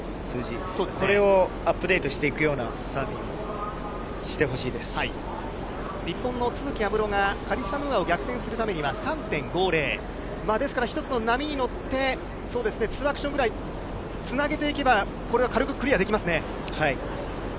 これをアップデートしていくように日本の都筑有夢路がカリッサ・ムーアを逆転するためには３．５０、一つの波に乗って、ツーアクションくらいつなげていけば、これは軽くクリアできますね。